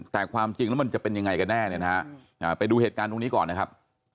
แต่ความจริงแล้วมันจะเป็นยังไงกันแน่เนี่ยนะฮะไปดูเหตุการณ์ตรงนี้ก่อนนะครับ